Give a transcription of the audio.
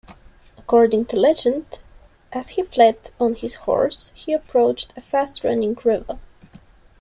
According to legend, as he fled on his horse, he approached a fast-running river.